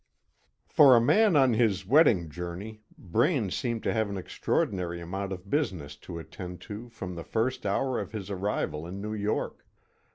For a man on his wedding journey Braine seemed to have an extraordinary amount of business to attend to from the first hour of his arrival in New York.